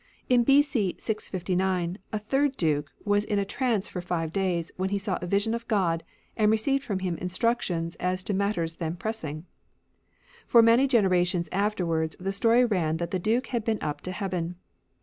In B.C. 659, a third Duke was in a trance for five days, when he saw a vision of God, and received from Him instructions as to matters then pressing. For many generations afterwards the story ran that the Duke had been up to Heaven.